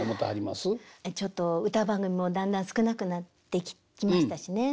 ちょっと歌番組もだんだん少なくなってきましたしね。